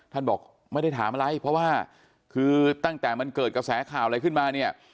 บอกไม่ได้ถามอะไรเพราะว่าคือตั้งแต่มันเกิดกระแสข่าวอะไรขึ้นมาเนี่ย